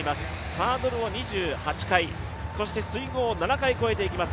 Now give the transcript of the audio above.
ハードルを２８回そして水濠を７回越えていきます。